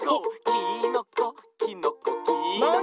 「きーのこきのこきーのこ」